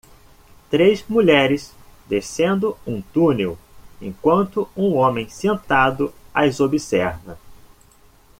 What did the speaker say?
Três mulheres descendo um túnel enquanto um homem sentado as observa.